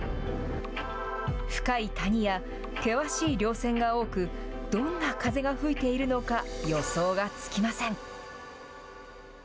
深い谷や険しいりょう線が多く、どんな風が吹いているのか予想がつきません。